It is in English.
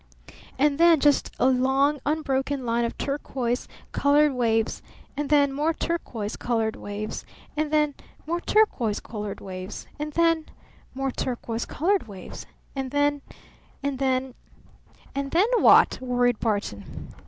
And then just a long, unbroken line of turquoise colored waves. And then more turquoise colored waves. And then more turquoise colored waves. And then more turquoise colored waves. And then and then " "And then what?" worried Barton.